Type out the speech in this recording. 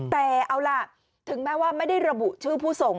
แต่เอาล่ะถึงแม้ว่าไม่ได้ระบุชื่อผู้ส่ง